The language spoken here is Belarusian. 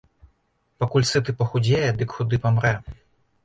Пакуль сыты пахудзее, дык худы памрэ.